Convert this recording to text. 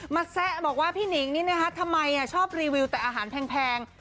แซะบอกว่าพี่หนิงนี่นะคะทำไมชอบรีวิวแต่อาหารแพง